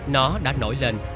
nó đã nổi lên